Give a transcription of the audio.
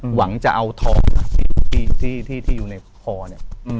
หวังจะเอาทองที่อยู่ในคอเนี่ย